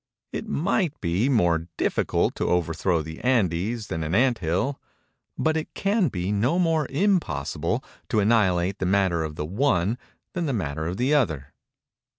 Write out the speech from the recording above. It might be more difficult to overthrow the Andes than an ant hill; but it can be no more impossible to annihilate the matter of the one than the matter of the other.